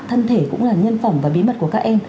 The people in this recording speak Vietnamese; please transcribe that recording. thân thể cũng là nhân phẩm và bí mật của các em